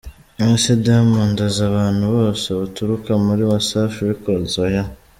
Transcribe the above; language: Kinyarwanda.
Nonese Diamond azi abantu bose baturuka muri Wasafi Records? Oya.